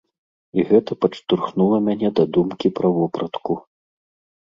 І гэта падштурхнула мяне да думкі пра вопратку.